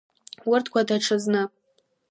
Урҭқәа даҽазны.